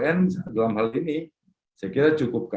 dan walaupun pln dalam hal ini saya kira cukup kooperatif